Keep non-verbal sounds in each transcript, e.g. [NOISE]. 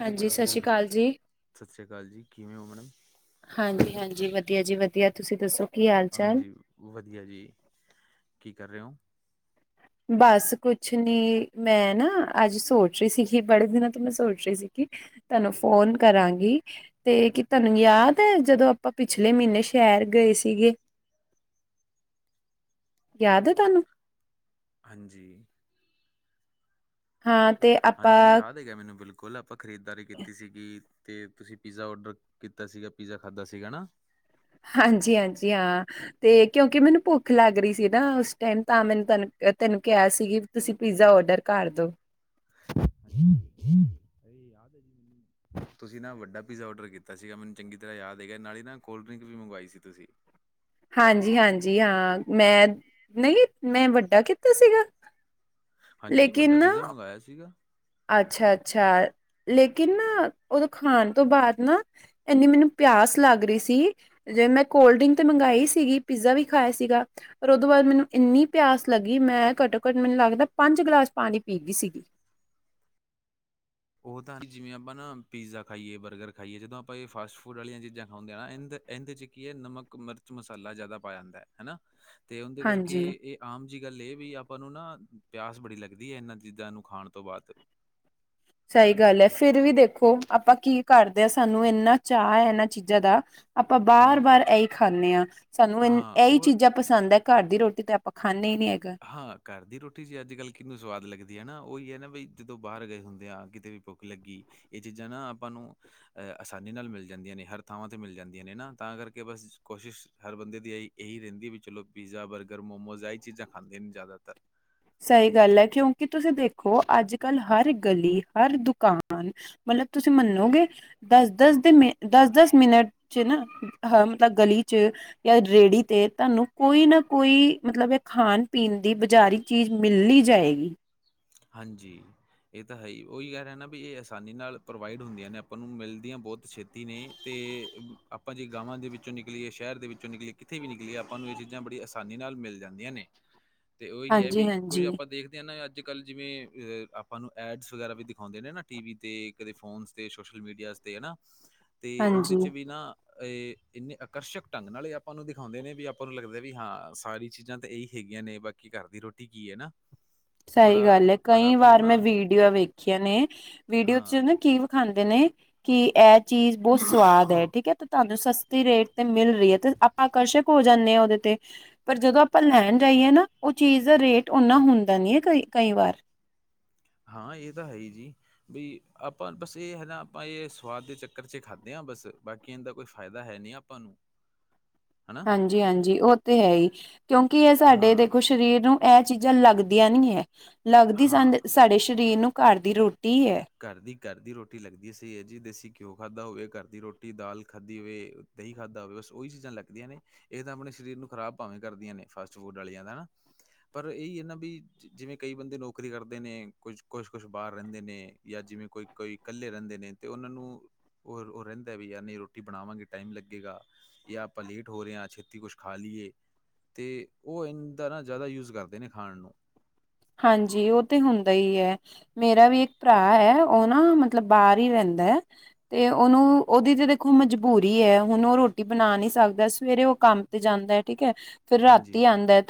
ਹਾਂਜੀ ਸਤਿ ਸ੍ਰੀ ਅਕਾਲ ਜੀ ਸਤਿ ਸ਼੍ਰੀ ਅਕਾਲ ਜੀ ਕਿਵੇਂ ਹੋ ਮੈਡਮ ਹਾਂਜੀ ਹਾਂਜੀ ਵਧੀਆ ਜੀ ਵਧੀਆ ਤੁਸੀਂ ਦੱਸੋ ਕੀ ਹਾਲ ਚਾਲ ਹਾਂਜੀ ਵਧੀਆ ਜੀ ਕੀ ਕਰ ਰਹੇ ਹੋ ਬਸ ਕੁਛ ਨੀ ਮੈਂ ਨਾ ਅੱਜ ਸੋਚ ਰਹੀ ਸੀਗੀ ਬੜੇ ਦਿਨਾਂ ਤੋਂ ਮੈਂ ਸੋਚ ਰਹੀ ਸੀਗੀ ਤੁਹਾਨੂੰ ਫੋਨ ਕਰਾਂਗੀ ਤੇ ਕੀ ਤੁਹਾਨੂੰ ਯਾਦ ਹੈ ਜਦੋਂ ਆਪਾਂ ਪਿਛਲੇ ਮਹੀਨੇ ਸ਼ਹਿਰ ਗਏ ਸੀਗੇ ਯਾਦ ਤੁਹਾਨੂੰ ਹਾਂਜੀ। ਹਾਂ ਤੇ ਹਾਂਜੀ। ਆਪਾਂ ਯਾਦ ਹੈਗਾ ਮੈਨੂੰ ਬਿਲ ਕੁੱਲ ਆਪਾਂ ਖਰੀਦਦਾਰੀ ਕੀਤੀ ਸੀਗੀ ਅਤੇ ਤੁਸੀਂ ਪੀਜ਼ਾ ਔਡਰ ਕੀਤਾ ਸੀਗਾ ਪੀਜ਼ਾ ਖਾਧਾ ਸੀਗਾ ਹੈ ਨਾ ਹਾਂਜੀ, ਹਾਂਜੀ ਹਾਂ। ਤੇ ਕਿਉਂਕਿ ਮੈਨੂੰ ਭੁੱਖ ਲੱਗ ਰਹੀ ਸੀ ਨਾ ਉਸ ਟਾਈਮ ਤਾਂ ਮੈਨੂੰ ਤੈਨੂੰ ਤੈਨੂੰ ਕਿਹਾ ਸੀਗੀ। ਤੁਸੀਂ ਪੀਜ਼ਾ ਔਡਰ ਕਰ ਦਿੋ। [UNINTELLIGIBLE] ਤੁਸੀਂ ਨਾ ਵੱਡਾ ਪੀਜ਼ਾ ਔਡਰ ਕੀਤਾ ਸੀਗਾ। ਮੈਨੂੰ ਚੰਗੀ ਤਰ੍ਹਾਂ ਯਾਦ ਹੈਗਾ ਨਾਲ ਹੀ ਨਾ ਕੋਲਡ ਡਰਿੰਕ ਵੀ ਮੰਗਵਾਈ ਸੀ ਤੁਸੀਂ। ਹਾਂ, ਜੀ ਹਾਂਜੀ ਹਾਂ ਮੈਂ ਨਹੀ ਮੈਂ ਵੱਡਾ ਕੀਤਾ ਸੀਗਾ ਹਾਂਜੀ। ਵੱਡਾ ਪੀਜ਼ਾ ਮੰਗਵਾਇਆ ਸੀਗਾ। ਅੱਛਾ, ਅੱਛਾ ਲੇਕਿਨ ਨਾ ਉਦੋਂ ਖਾਣ ਤੋਂ ਬਾਅਦ ਨਾ ਇੰਨੀ ਮੈਨੂੰ ਪਿਆਸ ਲੱਗ ਰਹੀ ਸੀ। ਜਿਵੇਂ ਮੈਂ ਕੋਲਡ ਡਰਿੰਕ ਤਾਂ ਮੰਗਵਾਈ ਸੀਗੀ। ਪੀਜ਼ਾ ਵੀ ਖਾਇਆ ਸੀਗਾ। ਪਰ ਉਹੋਂ ਬਾਅਦ ਮੈਨੂੰ ਇੰਨੀ ਪਿਆਸ ਲੱਗੀ ਮੈਂ ਘੱਟੋ ਘੱਟ ਮੈਨੂੰ ਲੱਗਦਾ ਪੰਜ ਗਲਾਸ ਪਾਣੀ ਪੀ ਗਈ ਸੀਗੀ। ਉਹ ਤਾਂ ਜਿਵੇਂ ਆਪਾਂ ਨਾ ਪੀਜ਼ਾ ਖਾਈਏ, ਬਰਗਰ ਖਾਈਏ ਜਦੋਂ ਆਪਾਂ ਇਹ ਫਾਸਟ ਫੂਡ ਵਾਲੀਆਂ ਚੀਜ਼ਾਂ ਖਾਉਦੇ ਆ ਨਾ ਇਹਦੇ ਚ ਕੀ ਹੈ। ਨਮਕ, ਮਿਰਚ, ਮਸਾਲਾ ਜ਼ਿਆਦਾ ਪਾਇਆ ਜਾਂਦਾ ਹੈ ਹਨਾ ਤੇ ਉਹਦੇ ਕਰਕੇ ਹਾਂਜੀ, ਇਹ ਆਮ ਜਿਹੀ ਗੱਲ ਇਹ ਵੀ ਆਪਾਂ ਨੂੰ ਨਾ ਪਿਆਸ ਬੜੀ ਲੱਗਦੀ ਹੈ ਇਹਨਾਂ ਚੀਜ਼ਾਂ ਨੂੰ ਖਾਣ ਤੋਂ ਬਾਅਦ ਸਹੀ ਗੱਲ ਹੈ। ਫਿਰ ਵੀ ਦੇਖੋ ਆਪਾਂ ਕੀ ਕਰਦੇ ਹਾਂ ਸਾਨੂੰ ਇੰਨਾ ਚਾਅ ਹੈ ਇਹਨਾਂ ਚੀਜ਼ਾਂ ਦਾ। ਆਪਾਂ ਬਾਰ, ਹਾਂ ਵਾਰ ਇਹੀ ਖਾਂਦੇ ਹਾਂ ਸਾਨੂੰ ਇ ਹਾਂ ਇਹੀ ਉਹ ਚੀਜ਼ਾਂ ਪਸੰਦ ਹੈ। ਘਰ ਦੀ ਰੋਟੀ ਤਾਂ ਆਪਾਂ ਖਾਂਦੇ ਹੀ ਨਹੀਂ ਹੈਗਾ। ਹਾਂ ਘਰ ਦੀ ਰੋਟੀ ਜ ਅੱਜ, ਕੱਲ੍ਹ ਕਿੰਨੂੰ ਸਵਾਦ ਲੱਗਦੀ ਹੈ। ਨਾ ਉਹੀ ਹੈ ਨਾ ਬ ਜਦੋਂ ਬਾਹਰ ਗਏ ਹੁੰਦੇ ਆ ਕਿਤੇ ਵੀ ਲੱਗੀ ਇਹ ਚੀਜ਼ਾਂ ਨਾ ਆਪਾਂ ਨੂੰ। ਆਸਾਨੀ ਨਾਲ ਮਿਲ ਜਾਂਦੀਆਂ ਨੇ ਹਰ ਥਾਵਾਂ 'ਤੇ ਮਿਲ ਜਾਂਦੀਆਂ ਨੇ ਨਾ ਤਾਂ ਕਰਕੇ ਬਸ ਕੋਸ਼ਿਸ਼ ਹਰ ਬੰਦੇ ਦੀ ਆਈ। ਇਹੀ ਰਹਿੰਦੀ ਵੀ ਚਲੋ ਪੀਜ਼ਾ ਬਰਗਰ ਮੋਮੋਜ਼ ਇਹਹੀ ਚੀਜ਼ਾਂ ਖਾਂਦੇ ਨੇ ਜ਼ਿਆਦਾਤਰ। ਸਹੀ ਗੱਲ ਹੈ। ਕਿਉਂਕਿ ਤੁਸੀਂ ਦੇਖੋ ਅੱਜ, ਕੱਲ੍ਹ ਹਰ ਗਲੀ ਹਰ ਦੁਕਾਨ ਮਤਲਬ ਤੁਸੀਂ ਮੰਨੋਗੇ ਦਸ ਦਸ ਦੇ ਮ ਦਸ, ਦਸ ਮਿੰਟ ਚ ਨਾ ਹ ਮਤਲਬ ਗਲੀ ਚ ਜਾਂ ਰੇਹੜੀ ਤੇ ਤੁਹਾਨੂੰ ਕੋਈ ਨਾ ਕੋਈ ਮਤਲਬ ਇਹ ਖਾਣ ਪੀਣ ਦੀ ਬਜ਼ਾਰੀ। ਚੀਜ਼ ਮਿਲ ਨਹੀਂ ਜਾਏਗੀ। ਹਾਂਜੀ, ਇਹ ਤਾਂ ਹੈ ਹੀ ਉਹੀ ਕਹਿ ਰਿਹਾ ਨਾ ਵੀ ਇਹ ਆਸਾਨੀ ਨਾਲ ਪ੍ਰੋਵਾਈਡ ਹੁੰਦੀਆਂ ਨੇ ਆਪਾਂ ਨੂੰ ਮਿਲਦੀਆਂ ਬਹੁਤ ਛੇਤੀ। ਨੇ ਤੇ ਆਪਾਂ ਜੇ ਗਾਵਾਂ ਦੇ ਵਿੱਚੋਂ ਨਿਕਲੀਏ ਸ਼ਹਿਰ ਦੇ ਵਿੱਚੋਂ ਨਿਕਲੀਏ ਕਿੱਥੇ ਵੀ ਨਿਕਲੀਏ ਆਪਾਂ ਨੂੰ ਇਹ ਚੀਜ਼ਾਂ ਬੜੀ। ਆਸਾਨੀ ਨਾਲ ਮਿਲ ਜਾਂਦੀਆਂ ਨੇ ਤੇ ਉਹੀ ਐ ਹਾਂਜੀ ਵੀ ਕੁੱਝ ਹਾਂਜੀ ਆਪਾਂ ਦੇਖਦੇ ਹਾਂ ਨਾ ਅੱ ਅੱਜ ਕੱਲ੍ਹ ਜਿਵੇਂ ਆਪਾਂ ਨੂੰ ਐਡਸ ਵਗੈਰਾ ਵੀ ਦਿਖਾਉਂਦੇ ਨੇ ਨਾ ਟੀ ਵੀ 'ਤੇ ਕਦੇ ਫੋਨਸ 'ਤੇ ਸੋਸ਼ਲ ਮੀਡੀਆਜ਼ 'ਤੇ ਹੈ ਨਾ। ਤੇ ਉਹਦੇ ਚ ਹਾਂਜੀ ਵੀ ਨਾ। ਇਹ ਇੰਨੇ ਆਕਰਸ਼ਕ ਢੰਗ ਨਾਲੇ ਆਪਾਂ ਨੂੰ ਦਿਖਾਉਂਦੇ ਨੇ ਵੀ ਆਪਾਂ ਨੂੰ ਲੱਗਦਾ ਵੀ ਹਾਂ ਸਾਰੀ ਚੀਜ਼ਾਂ ਤਾਂ ਇਹੀ ਹੈਗੀਆਂ ਨੇ ਬਾਕੀ ਘਰ ਦੀ ਰੋਟੀ ਕੀ ਹੈ ਨਾ। ਬੜਾ ਸਹੀ ਗੱਲ ਹੈ ਬੜਾ ਕਈ ਆਪਾਂ ਨੂੰ ਵਾਰ ਮੈਂ ਨਾ ਵੀਡੀਓ ਵੇਖੀਆਂ ਨੇ ਵੀਡੀਓ ਚ ਹਾਂ, ਨਾ ਕੀ ਖਾਂਦੇ ਨੇ ਕਿ ਇਹ ਚੀਜ਼ ਬਹੁਤ ਸਵਾਦ ਹੈ ਠੀਕ ਹੈ ਤੇ ਤੁਹਾਨੂੰ ਸਸਤੀ ਰੇਟ ਤੇ ਮਿਲ ਰਹੀ ਹੈ ਤੇ ਆਪਾਂ ਆਕਰਸ਼ਕ ਹੋ ਜਾਂਦੇ ਆ ਉਹਦੇ ਤੇ ਪਰ ਜਦੋਂ ਆਪਾਂ ਲੈਣ ਜਾਈਏ ਨਾ ਉਹ ਚੀਜ਼ ਦਾ ਰੇਟ ਓਨਾ ਹੁੰਦਾ। ਨੀਏ ਕਈ ਕਈ ਵਾਰ। ਹਾਂ ਇਹ ਤਾਂ ਹੈ ਹੀ ਜੀ। ਬ ਆਪਾਂ ਬਸ ਇਹ ਹੈ। ਨਾ ਆਪਾਂ ਇਹ ਸਵਾਦ ਦੇ ਚੱਕਰ 'ਚ ਖਾਧੇ ਹਾਂ ਬਸ। ਬਾਕੀ ਇਹ ਦਾ ਕੋਈ ਫਾਇਦਾ ਹੈ ਨਹੀਂ। ਪਨ ਹਾਂਜੀ, ਹਾਂਜੀ ਉਹ ਤੇ ਹੈ। ਹੀ ਕਿਉਂਕਿ ਇਹ ਸਾਡੇ ਹਾਂ, ਦੇਖੋ ਸਰੀਰ ਨੂੰ ਇਹ ਚੀਜ਼ਾਂ ਲੱਗਦੀਆਂ ਨਹੀਂੀ ਹੈ ਲੱਗਦੀ ਸ ਹਾਂ। ਸਾਡੇ ਸਰੀਰ ਨੂੰ ਘਰ ਦੀ ਰੋਟੀ ਹੈ। ਘਰ ਦੀ ਘਰ ਦੀ ਰੋਟੀ ਲੱਗਦੀ ਹੈ। ਸਹੀ ਹੈ ਜੀ ਦੇਸੀ ਘਿਓ ਖਾਧਾ ਹੋਵੇ ਘਰ ਦੀ ਰੋਟੀ ਦਾਲ ਖਾਧੀ ਹੋਵੇ। ਦਹੀਂ ਖਾ ਇਹ ਤਾਂ ਆਪਣੇ ਸਰੀਰ ਨੂੰ ਖ਼ਰਾਬ ਭਾਵੇਂ ਕਰਦੀਆਂ ਨੇ ਫਾਸਟ ਫੂਡ ਆ ਲੀਆਂ ਹਨਾ। ਪਰ ਇਹੀ ਹੈ ਨਾ ਵੀ ਜਿਵੇਂ ਕਈ ਬੰਦੇ ਨੌਕਰੀ ਕਰਦੇ ਨੇ ਕੁਝ ਕੁਛ ਕੁਛ ਬਾਹਰ ਰਹਿੰਦੇ ਨੇ। ਜਾਂ ਜਿਵੇਂ ਕੋਈ ਕੋਈ ਕੱਲੇ ਰਹਿੰਦੇ ਨੇ ਤੇ ਉਹਨਾਂ ਨੂੰ। ਉਹ ਉਹ ਰਹਿੰਦਾ ਵੀ ਯਾਰ ਨਹੀਂ ਰੋਟੀ ਬਣਾਵਾਂਗੇ ਟਾਈਮ ਲੱਗੇਗਾ। ਜਾ ਆਪਾਂ ਲੇਟ ਹੋ ਰਹੇ ਆ ਛੇਤੀ ਕੁਛ ਖਾ ਲਈਏ। ਅਤੇ ਉਹ ਇੰਦ ਨਾ ਜ਼ਿਆਦਾ ਯੂਜ਼ ਕਰਦੇ ਨੇ ਖਾਣ ਨੂੰ। ਹਾਂਜੀ, ਉਹ ਤੇ ਹੁੰਦਾ ਹੀ ਐ। ਮੇਰਾ ਵੀ ਇੱਕ ਭਰਾ ਹੈ ਉਹ ਨਾ ਮਤਲਬ ਬਾਹਰ ਹੀ ਰਹਿੰਦਾ ਹੈ। ਅਤੇ ਉਹਨੂੰ ਉਹਦੀ ਤਾਂ ਦੇਖੋ ਮਜ਼ਬੂਰੀ ਹੈ ਹੁਣ ਉਹ ਰੋਟੀ ਬਣਾ ਨਹੀਂ ਸਕਦਾ ਸਵੇਰੇ ਉਹ ਕੰਮ ਤੇ ਜਾਂਦਾ ਐ ਠੀਕ ਐ ਫਿਰ ਹਾਂਜੀ ਰਾਤੀ ਆਂਦਾ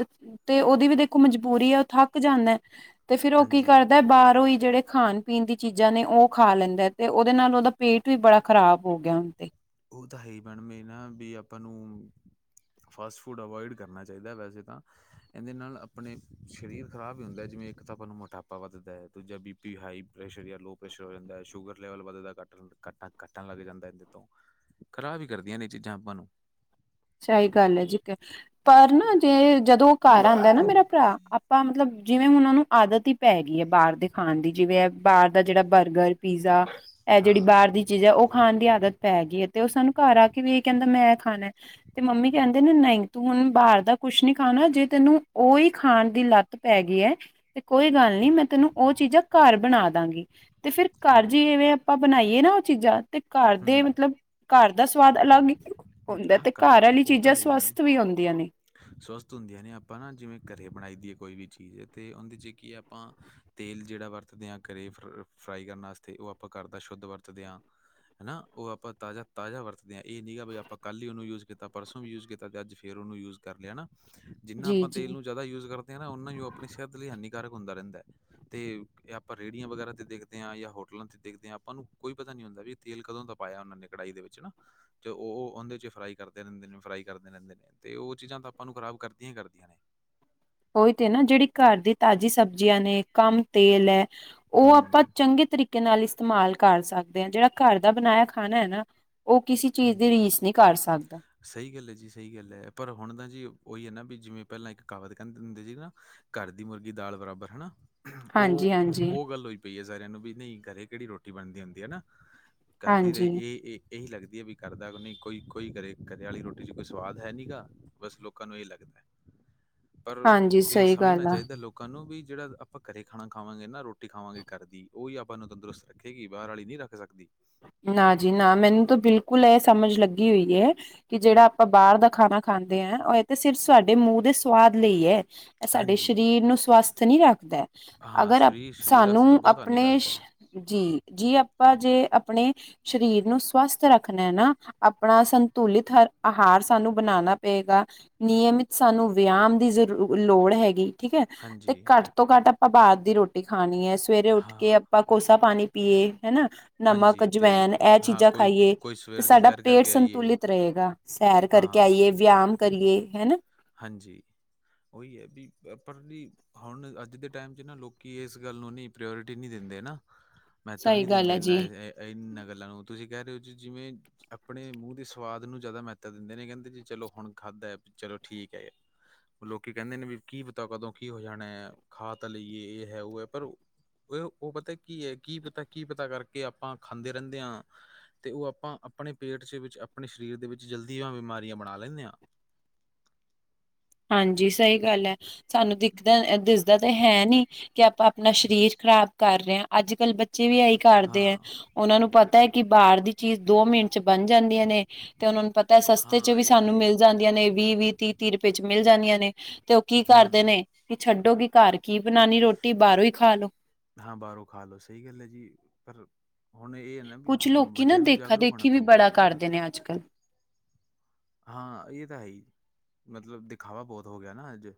ਤੇ ਉਹਦੀ ਵੀ ਦੇਖੋ ਮਜਬੂਰੀ ਐ ਉਹ ਥੱਕ ਜਾਂਦਾ। ਤੇ ਫੇਰ ਉਹ ਕੀ ਹਾਂਜੀ ਕਰਦਾ ਬਾਹਰ ਹੋਈ ਜਿਹੜੇ ਖਾਣ। ਪੀਣ ਦੀ ਚੀਜ਼ਾਂ ਨੇ ਉਹ ਖਾ ਲੈਂਦਾ ਤੇ ਉਹਦੇ ਨਾਲ ਉਹਦਾ ਪੇਟ ਵੀ ਬੜਾ ਖ਼ਰਾਬ ਹੋ ਗਿਆ ਹੁਣ ਤੇ ਉਹ ਤਾਂ ਹੈ ਈ ਮੈਡਮ ਏ ਨਾ ਵੀ ਆਪਾਂ ਨੂੰ। ਫਾਸਟ ਫੂਡ ਅਵਇਡ ਕਰਨਾ ਚਾਹੀਦਾ ਵੈਸੇ ਤਾਂ। ਇਹਦੇ ਨਾਲ ਆਪਣੇ ਸਰੀਰ ਖ਼ਰਾਬ ਹੀ ਹੁੰਦਾ ਹੈ ਜਿਵੇਂ ਇੱਕ ਤਾਂ ਆਪਾਂ ਨੂੰ ਮੋਟਾਪਾ ਵੱਧਦਾ ਹੈ ਦੂਜਾ ਬੀ। ਵੀ ਹਾਈ ਪ੍ਰੈਸ਼ਰ ਜਾਂ ਲੋਅ ਪ੍ਰੈਸ਼ਰ ਹੋ ਜਾਂਦਾ ਸ਼ੂਗਰ ਲੈਵਲ ਵੱਧਦਾ ਕੱਟਣ ਕੱਟਾਂ ਕੱਟਣ ਲੱਗ ਜਾਂਦਾ ਇਹਦੇ ਤੋਂ ਖਰਾਬ ਵੀ ਕਰਦੀਆਂ ਨੇ ਚੀਜ਼ਾਂ ਆਪਾਂ ਨੂੰ। ਸਹੀ ਗੱਲ ਹੈ, ਜੀ ਪਰ ਨਾ ਜੇ ਜਦੋਂ ਉਹ ਘਰ ਆਉਂਦਾ ਨਾ ਮੇਰਾ ਭਰਾ ਆਪਾਂ ਮਤਲਬ ਜਿਵੇਂ ਉਹਨਾਂ ਨੂੰ ਆਦਤ ਹੀ ਪੈ ਗਈ ਹੈ ਬਾਹਰ ਦੇ ਖਾਣ ਦੀ ਜਿਵੇਂ ਬਾਹਰ ਦਾ ਜਿਹੜਾ ਬਰਗਰ ਪੀਜ਼ਾ ਇਹ ਹਾਂ ਜਿਹੜੀ ਬਾਹਰ ਦੀ। ਚੀਜ਼ ਉਹ ਖਾਣ ਦੀ ਆਦਤ ਪੈ ਗਈ ਐ ਤੇ ਉਹ ਸਾਨੂੰ ਘਰ ਆ ਕੇ ਵੀ ਇਹ ਕਹਿੰਦਾ ਮੈਂ ਖਾਣਾ। ਤੇ ਮੰਮੀ ਕਹਿੰਦੇ ਨੇ ਨਹੀਂ ਤੂੰ ਹੁਣ ਬਾਹਰ ਦਾ ਕੁਛ ਨੀ ਖਾਣਾ ਜੇ ਤੈਨੂੰ ਹੀ ਖਾਣ ਦੀ ਲੱਤ ਪੈ ਗਈ ਹੈ ਤੇ ਕੋਈ ਗੱਲ ਨੀ ਮੈਂ ਤੈਨੂੰ ਉਹ ਚੀਜ਼ਾਂ ਘਰ ਬਣਾ ਦਾਂਗੀ ਤੇ ਫਿਰ ਘਰ ਹਾਂਜੀ ਜਵੇਂ ਆਪਾਂ ਬਣਾਈਏ ਨਾ ਉਹ ਚੀਜ਼ਾਂ ਤੇ ਘਰ ਦੇ ਹੂੰ ਮਤਲਬ ਘਰ ਦਾ ਸਵਾਦ ਅਲੱਗ ਹੀ ਹੁੰਦਾ ਆਹ ਤੇ। ਕਰ ਘਰ ਵਾਲੀ ਉਹ ਤਾਂ ਚੀਜ਼ਾਂ ਹੈ ਹੀ ਮੈਡਮ ਸਵਾਸਥ ਵੀ ਹੁੰਦੀਆਂ ਨੇ। ਸਵਸਥ ਹੁੰਦੀਆਂ ਨੇ ਆਪਾਂ ਨਾ ਜਿਵੇਂ ਘਰੇ ਬਣਾਈ ਦੀਏ ਕੋਈ ਵੀ ਚੀਜ਼ ਅਤੇ ਉਹਦੇ 'ਚ ਕੀ ਹੈ ਆਪਾਂ ਤੇਲ ਜਿਹੜਾ ਵਰਤਦੇ ਹਾਂ ਘਰੇ ਫ ਫਰਾਈ ਕਰਨ ਵਾਸਤੇ ਉਹ ਆਪਾਂ ਘਰ ਦਾ ਸ਼ੁੱਧ ਵਰਤਦੇ ਹਾਂ ਹੈਾ ਉਹ ਆਪਾਂ ਤਾਜ਼ਾ ਤਾਜ਼ਾ ਵਰਤਦੇ ਹਾਂ ਇਹ ਨਹੀਂ ਗਾ ਵੀ ਆਪਾਂ ਕੱਲ੍ਹ ਹੀ ਉਹਨੂੰ ਯੂਜ ਕੀਤਾ ਪਰਸੋਂ ਵੀ ਯੂਜ ਕੀਤਾ ਅਤੇ ਅੱਜ ਰੋ ਨੂੰ ਯੂਜ ਕਰ ਲਿਆ ਜਿੰਨਾ ਜੀ ਆਪਾਂ ਜੀ ਤੇਲ ਨੂੰ ਜਿਆਦਾ ਯਜ ਕਰ ਉਹਨਾਂ ਨੂੰ ਆਪਣੀ ਸਿਹਤ ਲਈ ਹਾਨੀਕਾਰਕ ਹੁੰਦਾ ਰਹਿੰਦਾ ਹੈ ਤੇ ਆਪਾਂ ਰੇਹੜੀਆਂ ਵਗੈਰਾ ਤੇ ਦੇਖਦੇ ਹਾਂ ਜਾਂ ਹੋਟਲਾਂ ਤੇ ਦੇਖਦੇ ਹਾਂ ਆਪਾਂ ਨੂੰ ਕੋਈ ਪਤਾ ਨੀ ਹੁੰਦਾ ਵੀ ਤੇਲ ਕਦੋਂ ਦਾ ਪਾਇਆ ਉਹਨਾਂ ਨੇ ਕੜਾਹੀ ਦੇ ਵਿੱਚ ਨਾ ਤੇ ਉਹ ਉਹਦੇ ਚ ਫਰਾਈ ਕਰਦੇ ਰਹਿੰਦੇ ਨੇ ਫਰਾਈ ਕਰਦੇ ਰਹਿੰਦੇ ਨੇ ਤੇ ਉਹ ਚੀਜ਼ਾਂ ਤਾਂ ਆਪਾਂ ਨੂੰ ਖਰਾਬ ਕਰਦੀਆਂ ਹੀ ਕਰਦੀਆਂ ਨੇ ਉਹੀ ਤੇ ਨਾ ਜਿਹੜੀ ਘਰ ਦੀ ਤਾਜ਼ੀ ਸਬਜ਼ੀਆਂ ਨੇ ਕੰਮ ਤੇਲ ਹੈ ਉਹ ਆਪਾਂ ਹੂੰ ਚੰਗੇ ਤਰੀਕੇ ਨਾਲ ਇਸਤੇਮਾਲ ਕਰ ਸਕਦੇ ਹਾਂ ਜਿਹੜਾ ਘਰ ਦਾ ਬਣਾਇਆ ਖਾਣਾ ਹੈ ਨਾ ਉਹ ਕਿਸੇ ਚੀਜ਼ ਦੀ ਹਾਂਜੀ ਰੀਸ ਨਹੀਂ ਕਰ ਸਕਦਾ ਸਹੀ ਗੱਲ ਹੈ ਜੀ ਸਹੀ ਗੱਲ ਹੈ ਪਰ ਹੁਣ ਤਾਂ ਜੀ ਉਹੀ ਹੈ ਨਾ ਵੀ ਜਿਵੇਂ ਪਹਿਲਾਂ ਇੱਕ ਕਹਾਵਤ ਕਹਿੰਦੇ ਹੁੰਦੇ ਸੀ ਨਾ ਘਰ ਦੀ ਮੁਰਗੀ ਦਾਲ ਬਰਾਬਰ ਹੈ ਨਾ ਉਹ ਹਾਂਜੀ ਹਾਂਜੀ ਉਹ ਗੱਲ ਹੋ ਪਈ ਆ ਸਾਰਿਆਂ ਨੂੰ ਵੀ ਨਹੀਂ ਘਰੇ ਕਿਹੜੀ ਰੋਟੀ ਬਣਦੀ ਹੁੰਦੀ ਹੈ ਨਾ। ਕਰਦੀ ਰਹੀ ਹਾਂਜੀ ਇਹ ਇਹੀ ਲੱਗਦਾ ਵਧੀਆ ਵੀ ਕਰਦਾ ਕਿ ਨਹੀਂ ਕੋਈ ਕੋਈ ਘਰੇ ਘਰੇ ਵਾਲੀ ਰੋਟੀ ਚ ਕੋਈ ਸਵਾਦ ਹੈ ਨੀ ਗਾ ਬਸ ਲੋਕਾਂ ਨੂੰ ਇਹ ਲੱਗਦਾ। ਪਰ ਹਾਂਜੀ ਇਹ ਸਹੀ ਸਮਝਣਾ ਗੱਲ ਆ। ਚਾਹੀਦਾ ਲੋਕ ਲੋਕਾਂ ਨੂੰ ਵੀ ਜਿਹੜਾ ਆਪਾਂ ਘਰੇ ਖਾਣਾ ਖਾਵਾਂਗੇ ਨਾ ਰੋਟੀ ਖਾਵਾਂਗੇ ਘਰ ਦੀ ਉਹੀ ਆਪਾਂ ਨੂੰ ਤੰਦਰੁਤ ਰੱਖੇਗੀ ਬਾਹਰ ਵਾਲੀ ਨੀ ਰੱਖ- ਰ ਸਕਦੀ ਨਾ ਜੀ ਨਾ, ਮੈਨੂੰ ਤਾਂ ਬਿਲਕੁਲ ਇਹ ਸਮਝ ਲੱਗੀ ਹੋਈ ਐ। ਕਿ ਜਿਹੜਾ ਆਪਾਂ ਬਾਹਰ ਦਾ ਖਾਣਾ ਖਾਂਦੇ ਹਾਂ ਉਹ ਇਹ ਤੇ ਸਿਰਫ ਸਾਡੇ ਮੂੰਹ ਦੇ ਸਵਾਦ ਲਈ ਹੈ। ਸਾਡੇ ਹਾਂਜੀ, ਸਰੀਰ ਨੂੰ ਸਵਸਥ ਨਹੀਂ ਰੱਖਦਾ ਹਾਂ ਅਗਰ ਅ ਸਰੀਰ ਸਰੀਰ ਵਾਸਤੇ ਤਾਂ ਸਾਨੂੰ ਬਹੁਤ ਆਪਣੇ ਹਾਨੀਕਾਰਕ ਹੈ। ਜੀ ਜੀ ਆਪਾਂ ਜੇ ਆਪਣੇ ਸਰੀਰ ਨੂੰ ਸਵਸਥ ਰੱਖਣਾ ਨਾ ਆਪਣਾ ਸੰਤੁਲਿਤ ਹ ਆਹਾਰ ਸਾਨੂੰ ਬਣਾਉਣਾ ਪਏਗਾ ਨਿਯਮਿਤ ਸਾਨੂੰ ਵਿਆਮ ਦੀ ਜ਼ਰ ਲੋੜ ਹੈਗੀ ਠੀਕ ਹੈ ਤੇ ਹਾਂਜੀ, ਘੱਟ ਤੋਂ ਘੱਟ ਆਪਾਂ ਬਾਾਹਰ ਦੀ ਰੋਟੀ ਖਾਣੀ ਹੈ ਸਵੇਰੇ ਉੱਠ ਹਾਂ। ਕੇ ਆਪਾਂ ਕੋਸਾ ਪਾਣੀ ਪੀਏ ਹਨਾ ਹਾਂਜੀ ਤੇ ਜਵੈਨ ਇਹ ਹਾਂ ਚੀਜ਼ਾਂ ਕੋਈ ਖਾਈਏ ਕੋਈ ਤੇ ਸਵੇਰ ਦੀ ਸਾਡਾ ਸੈਰ ਪੇਟ ਕਰਕੇ ਆਈਏ ਸੰਤੁਲਿਤ ਰਹੇਗਾ ਸੈਰ ਕਰਕੇ ਹਾਂ ਆਈਏ ਵਿਆਮ ਕਰੀਏ ਹਨਾ ਹਾਂਜੀ ਉਹੀ ਹੈ ਵੀ ਪਰੜ੍ਹਲੀ ਹੁਣ ਅੱਜ ਦੇ ਟਾਈਮ 'ਚ ਨਾ ਲੋਕ ਇਸ ਗੱਲ ਨੂੰਨੀ ਪ੍ਰਿਓੋਰਿਟੀ ਨਹੀਂ ਦਿੰਦੇ ਨਾ ਮਹੱਤਵ ਸਹੀ ਨੀ ਗੱਲ ਦਿੰਦੇ ਹੈ ਜੀ। ਇਹਨਾਂ ਇਹਨਾਂ ਗੱਲਾਂ ਨੂੰ ਤੁਸੀਂ ਕਹਿ ਰਹੇ ਹੋ ਜੀ ਜਿਵੇਂ ਆਪਣੇ ਮੂੰਹ ਦੇ ਸਵਾਦ ਨੂੰ ਜ਼ਿਆਦਾ ਮਹੱਤਤਾ ਦਿੰਦੇ ਨੇ ਕਹਿੰਦੇ ਜੀ ਚਲੋ ਹੁਣ ਖਾਧਾ ਚਲੋ ਠੀਕ ਹੈ ਲੋਕੀ ਕਹਿੰਦੇ ਨੇ ਵੀ ਕੀ ਪਤਾ ਕਦੋਂ ਕੀ ਹੋ ਜਾਣਾ ਹੈ ਖਾ ਤਾਂ ਲਈਏ ਇਹ ਹੈ ਉਹ ਹੈ ਪਰ, ਇਹ ਉਹ ਪਤਾ ਕੀ ਹੈ ਕੀ ਪਤਾ ਕੀ ਪਤਾ ਕਰਕੇ ਆਪਾਂ ਖਾਂਦੇ ਰਹਿੰਦੇ ਹਾਂ। ਤੇ ਉਹ ਆਪਾਂ ਆਪਣੇ ਪੇਟ ਦੇ ਵਿੱਚ ਆਪਣੇ ਸਰੀਰ ਦੇ ਵਿੱਚ ਜਲਦੀਆਂ ਬਿਮਾਰੀਆਂ ਬਣਾ ਲੈਂਦੇ ਹਾਂ। ਹਾਂਜੀ ਸਹੀ ਗੱਲ ਹੈ, ਸਾਨੂੰ ਦਿਖਦਾ ਦਿਸਦਾ ਤੇ ਹੈ ਨੀ। ਕਿ ਆਪਾਂ ਆਪਣਾ ਸਰੀਰ ਖ਼ਰਾਬ ਕਰ ਰਹੇ ਹਾਂ ਅੱਜ ਕੱਲ੍ਹ ਬੱਚੇ ਵੀ ਇਹੀ ਕਰਦੇ ਹੈ ਹਾਂ ਉਹਨਾਂ ਨੂੰ ਪਤਾ ਹੈ ਕਿ ਬਾਹਰ ਦੀ ਚੀਜ਼। ਦੋ ਮਿੰਟ ਚ ਬਣ ਜਾਂਦੀਆਂ ਨੇ ਤੇ ਉਹਨਾਂ ਨੂੰ ਪਤਾ ਸਸਤੇ ਚ ਹਾਂ ਵੀ ਇਹ ਤਾਂ ਸਾਨੂੰ ਹੈ ਹੀ ਮਿਲ ਜਾਂਦੀਆਂ ਨੇ ਵੀਹ ਵੀਹ ਤੀਹ ਤੀਹੁਪ। ਵਿੱਚ ਮਿਲ ਜਾਂਦੀਆਂ ਨੇ ਤੇ ਉਹ ਕੀ ਕਰਦੇ ਹੂੰ ਨੇ ਛੱਡੋਗੀ ਘਰ ਕੀ ਬਣਾਉਣੀ ਰੋਟੀ ਬਾਹਰੋਂ ਹੀ ਖਾ ਲੋੋ, ਹਾਂ ਬਾਹਰੋਂ ਖਾ ਲੋੋ ਸਹੀ ਗੱਲ ਹੈ ਜੀ ਪਰ, ਹੁਣ ਇਹ ਹੈ ਨਾ ਵੀ ਕੁਛ ਵੱਡਿਆਂ ਨੂੰ ਜਾਗਰੂਕ ਹੋਣਾ ਪਊਗਾ, ਦੇ ਨੇ ਅੱਜ ਕੱਲ੍ਹ, ਹਾਂ ਇਹ ਤਾਂ ਹੈ ਹੀ ਮਤਲਬ ਦਿਖਾਵਾ ਬਹੁਤ ਹੋ ਗਿਆ ਨਾ ਅੱਜ।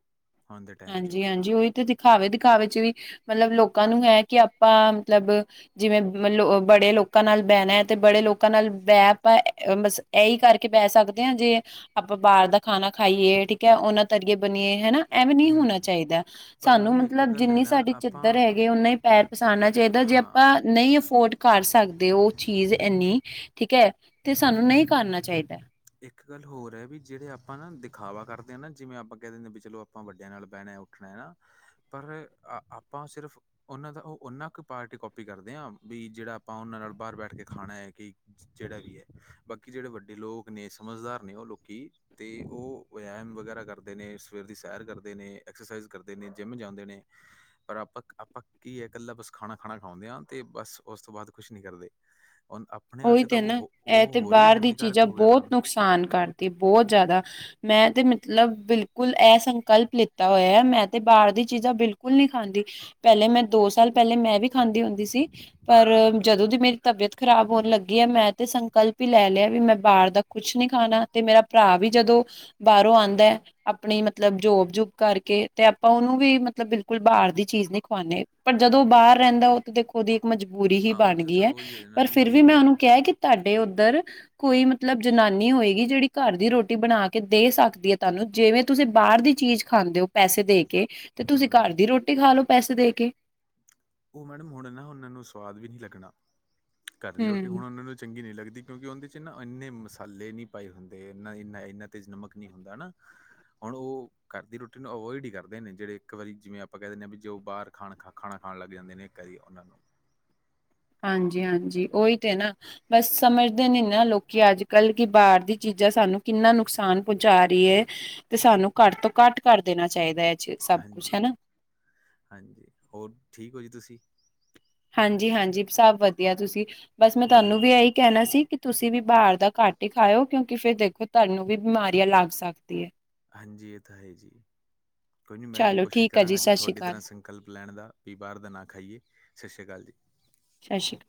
ਹੁਣ ਦੇ ਟਾਈਮ 'ਚ ਹਾਂਜੀ ਹਾਂਜੀ ਉਹੀ ਤਾਂ ਦਿਖਾਵੇ ਦਿਖਾਵੇ ਚ ਵੀ ਮਤਲਬ ਲੋਕਾਂ ਨੂੰ ਹੈ ਕਿ ਆਪਾਂ ਮਤਲਬ। ਜਿਵੇਂ ਲੋ ਬੜੇ ਲੋਕਾਂ ਨਾਲ ਬਹਿਣਾ ਹੈ ਤੇ ਬੜੇ ਲੋਕਾਂ ਨਾਲ ਬਹਿ ਆਪਾਂ ਬ, ਇਹੀ ਕਰਕੇ ਬਹਿ ਸਕਦੇ ਹਾਂ ਜੇ, ਆਪਾਂ ਬਾਹਰ ਦਾ ਖਾਣਾ ਖਾਈਏ ਠੀਕ ਹੈ ਉਹਨਾਂ ਤਰੀਏ ਬਨੀਏ ਹਨਾ ਐਵੇਂ ਨਹੀਂ ਹੋਣਾ ਹੂੰ ਚਾਹੀਦਾ। ਪਰ ਸਾਨੂੰ ਮੈਡਮ ਇੱਕ ਮਤਲਬ ਗੱਲ ਹੈ ਜਿੰਨੀ ਨਾ ਸਾਡੀ ਆਪਾਂ ਚਿੱਦਰ ਹੈਗੀ ਨਾ ਹੀ ਪੈਰ ਪਛਾਾਨਨਾ ਚਾਹੀਦਾ ਜੇ ਹਾਂ ਆਪਾਂ ਨਹੀਂ ਅਫੋਰਡ ਕਰ ਸਕਦੇ ਉਹ ਚੀਜ਼ ਇੰਨੀ। ਠੀਕ ਹੈ। ਤੇ ਸਾਨੂੰ ਨਹੀਂ ਕਰਨਾ ਚਾਹੀਦਾ। ਇੱਕ ਗੱਲ ਹੋਰ ਹੈ। ਵੀ ਜਿਹੜੇ ਆਪਾਂ ਨਾ ਦਿਖਾਵਾ ਕਰਦੇ ਹਾਂ। ਨਾ ਜਿਵੇਂ ਆਪਾਂ ਕਹਿ ਦਿੰਦੇ ਵੀ ਚਲੋ ਆਪਾਂ ਵੱਡਿਆਂ ਨਾਲ ਬਹਿਣਾ ਉੱਠਣਾ ਨਾ ਪਰ ਆਪਾਂ ਸਿਰਫ। ਉਹਨਾਂ ਦਾ ਉਹ ਉਹਨਾਂ ਕੁ ਪਾਰਟੀ ਕਪੀ ਕਰਦੇ ਆ ਵੀ ਜਿਹੜਾ ਆਪਾਂ ਉਹਨਾਂ ਨਾਲ ਬਾਹਰ ਬੈਠ ਕੇ ਖਾਣਾ ਹੈ। ਕਿ ਜਿਹੜਾ ਵੀ ਹੈ ਬਾਕੀ ਜਿਹੜੇ ਵੱਡੇ ਲੋਕ ਨੇ ਸਮਝਦਾਰ ਨੇ ਉਹ ਲੋਕੀ ਤੇ ਉਹ ਵਮ ਵਗੈਰਾ ਕਰਦੇ ਨੇ ਸਵੇਰ ਦੀ ਸੈਰ ਕਰਦੇ ਨੇ ਐਕਸਰਸਾਈਜ਼ ਕਰਦੇ ਨੇ ਜਿੰਮ ਜਾਂਦੇ ਨੇ। ਪਰ ਆਪਾਂ-ਆਪਾਂ ਕੀ ਹੈ। ਇਕੱਲਾ ਬਸ ਖਾਣਾ ਖਾਣਾ ਖਾਉਂਦੇ ਹਾਂ। ਤੇ ਬਸ ਉਸ ਤੋਂ ਬਾਅਦ ਕੁਛ ਨੀ ਕਰਦੇ। ਉਹ ਆਪਣੇ ਉਹੀ ਵਾਸਤੇ ਤਾਂ ਤੇ ਨਾ ਇਹ ਉਹ-ਉਹ ਤੇ ਹੋਰ ਵੀ ਬਾਹਰ ਦੀ ਹਾਨੀਕਾਰਕ ਚੀਜ਼ਾਂ ਹੋ ਗਿਆ। ਬਹੁਤ ਕੰਮ ਨੁਕਸਾਨ ਕਰਦੇ ਬਹੁਤ ਜ਼ਿਆਦਾ। ਮੈਂ ਤੇ ਮਤਲਬ ਬਿਲਕੁਲ ਇਹ ਸੰਕਲਪ ਲਿੱਤਾ ਹੋਇਆ ਹੈ। ਮੈਂ ਤੇ ਬਾਹਰ ਦੀ ਚੀਜ਼ਾਂ ਬਿਲਕੁਲ ਨਹੀਂ ਖਾਂਦੀ। ਪਹਿਲੇ ਮੈਂ ਦੋ ਸਾਲ ਪਹਿਲੇ ਮੈਂ ਵੀ ਖਾਂਦੀ ਹੁੰਦੀ ਸੀ ਪਰ ਜਦੋਂ ਦੀ ਮੇਰੀ ਤਬੀਅਤ ਖ਼ਰਾਬ ਹੋਣ ਲੱਗੀ ਆ ਮੈਂ ਤੇ ਸੰਕਲਪ ਹੀ ਲੈ ਲਿਆ ਵੀ ਮੈਂ ਬਾਹਰ ਦਾ ਕੁਛ ਨੀ ਖਾਣਾ ਤੇ ਮੇਰਾ ਭਰਾ ਵੀ ਜਦੋਂ, ਬਾਹਰੋਂ ਆਉਂਦਾ ਹੈ। ਆਪਣੀ ਮਤਲਬ ਜੋਬ ਜਬ ਕਰਕੇ ਤੇ ਆਪਾਂ ਉਹਨੂੰ ਵੀ ਮਤਲਬ ਬਿਲਕੁਲ ਬਾਹਰ ਦੀ ਚੀਜ਼ ਨਹੀਂੀ ਖਵਾਉਂਦੇ, ਪਰ ਜਦੋਂ ਉਹ ਬਾਹਰ ਰਹਿੰਦਾ ਉਹ ਤਾਂ ਦੇਖੋ ਉਹਦੀ ਇੱਕ ਮਜਬੂਰੀ ਹੀ ਹਾਂ ਬਣ ਉੱਥੇ ਗਈ ਤਾਂ ਹੈ ਉਹੀ ਨਾ ਪਰ, ਜੀ ਫਿਰ ਬਈ ਵੀ ਮੈਂ ਉਹਨੂੰ ਕਿਹਾ ਕਿ ਤੁਹਾਡੇ ਉੱਧਰ, ਕੋਈ ਮਤਲਬ ਜਨਾਨੀ ਹੋਏਗੀ ਜਿਹੜੀ ਘਰ ਦੀ ਰੋਟੀ ਬਣਾ ਕੇ ਦੇ ਸਕਦੀ ਹੈ ਤੁਹਾਨੂੰ ਜਿਵੇਂ ਤੁਸੀਂ ਬਾਹਰ ਦੀ ਚੀਜ਼, ਖਾਂਦੇ ਹੋ ਪੈਸੇ ਦੇ ਕੇ ਤੇ ਤੁਸੀਂ ਘਰ ਹੂੰ ਦੀ ਰੋਟੀ ਖਾ ਲਓ ਪੈਸੇ ਦੇ ਕੇ। ਉਹ ਮੈਡਮ ਹੁਣ ਨਾ ਉਹਨਾਂ ਨੂੰ ਸਵਾਦ ਵੀ ਨਹੀਂ ਲੱਗਣਾ ਘਰ ਦੀ ਰੋਟੀ ਹੂੰ ਹੁਣ ਉਹਨਾਂ ਨੂੰ ਚੰਗੀ ਨਹੀਂ ਲੱਗਦੀ ਕਿਉਂਕਿ ਉਹਦੇਚ ਨਾ ਇੰਨੇ ਮਸਾਲੇ ਨਹੀਂ ਪਾਏ ਹੁੰਦੇਨਾ ਇੰਨਾ ਤੇਜ਼ ਨਮਕ ਨਹੀਂ ਹੁੰਦਾ ਹੈ। ਨਾ ਹੁਣ ਉਹ ਘਰ ਦੀ ਰੋਟੀ ਨੂੰ ਅਵੋਇਡ ਹੀ ਕਰਦੇ ਨੇ ਜਿਹੜੇ ਇੱਕ ਵਾਰੀ ਜਿਵੇਂ ਆਪਾਂ ਕਹਿ ਦਿੰਦੇ ਹਾਂ ਵੀ ਜੇ ਉਹ ਬਾਹਰ ਖਾਣਾ ਖਾ ਖਾਣਾ। ਹਾਣ ਲਗੀਆਂ ਜਾਂਦੀਆਂ ਨੇ ਇੱਕ ਕਈਾਰੀ ਉਹਨਾਂ ਨੂੰ। ਹਾਂਜੀ-ਹਾਂਜੀ ਉਓਹੀ ਤੇ ਨਾ। ਬਸ ਸਮਝਦੇ ਨਈ ਨਾ ਲੋਕੀ ਅੱਜ ਕੱਲ੍ਹ, ਕਿ ਬਾਹਰ ਦੀ ਚੀਜ਼ਾਂ ਸਾਨੂੰ ਕਿੰਨਾ ਨੁਕਸਾਨ ਪਹੁੰਚਾ ਰਈ ਏ। ਤੇ ਸਾਨੂੰ ਘੱਟ ਤੋਂ ਘੱਟ ਕਰ ਦੇਣਾ ਚਾਹੀਦਾ ਇਹ ਚੀਜ਼। ਹਾਂਜੀ-ਹਾਂਜੀ ਹੋਰ ਠੀਕ ਹੋ ਜੀ ਤੁਸੀਂ। ਹਾਂਜੀ-ਹਾਂਜੀ ਸਭ ਵਧੀਆ ਤੁਸੀਂ ਬਸ ਮੈਂ ਵਧੀਆ ਤੁਹਾਨੂੰ ਵੀ ਜੀ ਇਹੀ ਕਹਿਣਾ ਸੀ ਕਿ ਤੁਸੀਂ ਵੀ ਬਾਹਰ ਦਾ ਘੱਟ ਹੀ ਖਾਓ ਕਿਉਂਕਿ ਫਿਰ ਦੇਖੋ ਤੁਹਾਨੂੰ ਵੀ ਬਿਮਾਰੀਆਂ ਲੱਗ ਸਕਦੀ ਹੈ। ਹਾਂਜੀ ਇਹ ਤਾਂ ਹੈ। ਜੀ ਕੋਈ ਨਹੀਂ ਮੈਂ ਵੀ ਚਲੋ ਕੋਸ਼ਿਸ਼ ਠੀਕ ਹੈ ਕਰਾਂਗਾ ਜੀ ਸਤਿ ਸ਼੍ਰੀ ਤੁਹਾਡੀ ਤਰ੍ਹਾਂ ਅਕਾਲ ਸਿਮ। ਵਿਕਲਪ ਲੈਣ ਦਾ ਵੀ ਬਾਹਰ ਦਾ ਨਾਂ ਖਾਈਏ ਸਤਿ ਸ਼੍ਰੀ ਅਕਾਲ ਜੀ। ਸਤ ਸਰਿ ਅਕਾਲ ਜੀ।